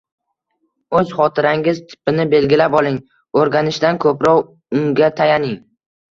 O‘z xotirangiz tipini belgilab oling, o‘rganishda ko‘proq unga tayaning.